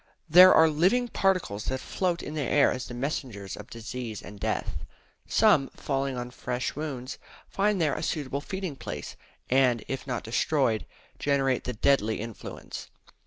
There are living particles that float in the air as the messengers of disease and death. Some, falling on fresh wounds, find there a suitable feeding place; and, if not destroyed, generate the deadly influence.